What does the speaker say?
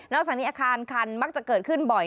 จากนี้อาคารคันมักจะเกิดขึ้นบ่อย